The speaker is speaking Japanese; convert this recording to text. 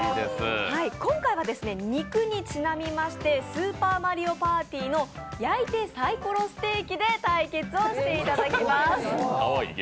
今回は肉にちなみまして、「スーパーマリオパーティ」の「焼いてサイコロステーキ」で対決をしていただきます。